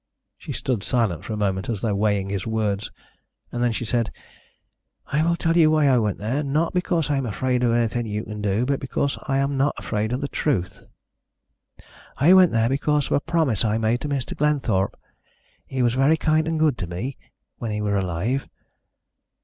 She stood silent for a moment, as though weighing his words. Then she said: "I will tell you why I went there, not because I am afraid of anything you can do, but because I am not afraid of the truth. I went there because of a promise I made to Mr. Glenthorpe. He was very kind and good to me when he was alive.